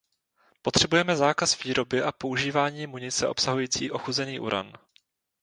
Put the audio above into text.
Potřebujeme zákaz výroby a používání munice obsahující ochuzený uran.